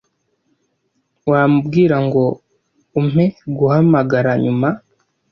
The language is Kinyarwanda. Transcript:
Wamubwira ngo umpe guhamagara nyuma?